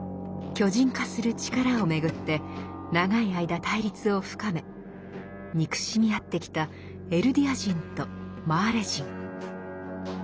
巨人化する力をめぐって長い間対立を深め憎しみ合ってきたエルディア人とマーレ人。